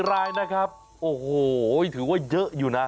รายนะครับโอ้โหถือว่าเยอะอยู่นะ